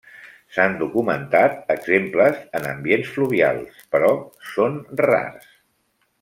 S'han documentat exemples en ambients fluvials, però són rars.